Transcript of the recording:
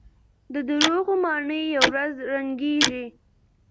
د دروغو ماڼۍ يوه ورځ ړنګېږي.